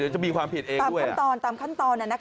จะมีความผิดเองด้วยตามขั้นตอน